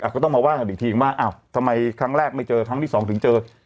ก็ต้องมาว่ากันอีกทีว่าอ้าวทำไมครั้งแรกไม่เจอครั้งที่สองถึงเจอ